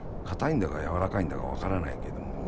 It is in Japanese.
かたいんだかやわらかいんだか分からないけども。